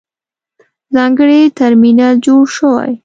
ځانګړی ترمینل جوړ شوی.